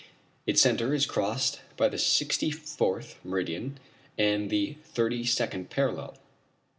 Its centre is crossed by the sixty fourth meridian and the thirty second parallel.